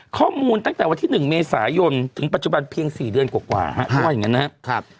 ข้อมูลตั้งแต่วันที่๑เมษายนถึงปัจจุบันเพียง๔เดือนกว่าเขาว่าอย่างนั้นนะครับ